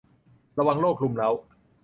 ระวังโรครุมเร้า